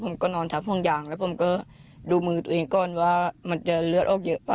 ผมก็นอนทับห่วงยางแล้วผมก็ดูมือตัวเองก่อนว่ามันจะเลือดออกเยอะป่